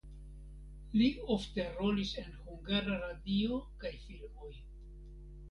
Li ofte rolis en Hungara Radio kaj filmoj.